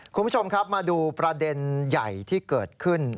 คุณผู้ชมครับมาดูประเด็นใหญ่ที่เกิดขึ้น